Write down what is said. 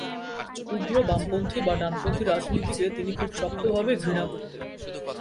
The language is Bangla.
উগ্র বামপন্থী বা ডানপন্থী রাজনীতিকে তিনি খুব শক্তভাবে ঘৃণা করতেন।